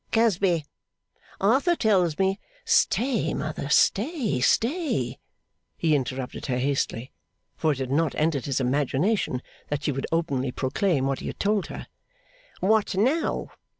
Casby, Arthur tells me ' 'Stay, mother! Stay, stay!' He interrupted her hastily, for it had not entered his imagination that she would openly proclaim what he had told her. 'What now?